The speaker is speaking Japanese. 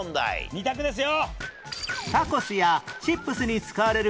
２択ですよ。